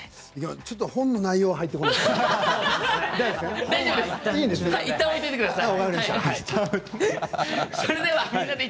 ちょっと本の内容が入ってこない。